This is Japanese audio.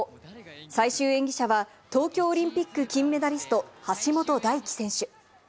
最終演技者は、東京オリンピック金メダリスト・橋本大輝選手。